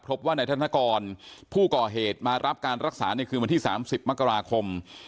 พบว่านายธนกรผู้ก่อเหตุมารับการรักษาในคืนวันที่๓๐มกราคม